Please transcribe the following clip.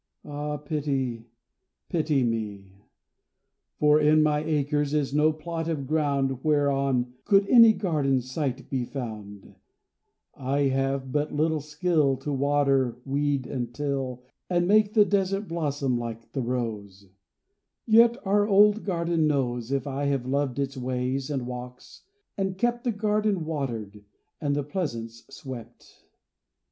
Ah, pity, pity me! For in my acres is no plot of ground Whereon could any garden site be found, I have but little skill To water weed and till And make the desert blossom like the rose; Yet our old garden knows If I have loved its ways and walks and kept The garden watered, and the pleasance swept.